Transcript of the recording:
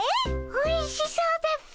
おいしそうだっピ。